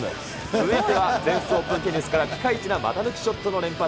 続いて全仏オープンテニスからピカイチな股抜きショットの連発。